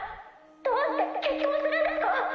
どうして決闘するんですか？